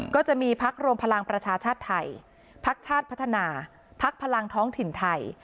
ก็จะมีพักรวมพลังประชาชาติไทยพักชาติพัฒนาพักพลังท้องถิ่นไทย